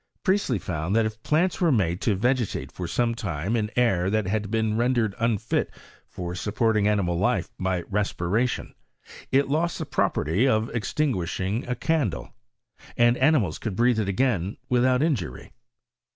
Priestley found, that if planta were made to vegetate for acme time in air that had been rendered unfit for supporting animal life by respira tion, it lost the property of extinguishing a candle, and animals could breathe it again without injury.